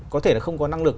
có thể là không có năng lực